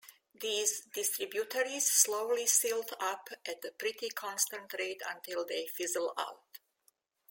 These distributaries slowly silt up at a pretty constant rate until they fizzle out.